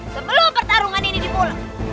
sebelum pertarungan ini dimulai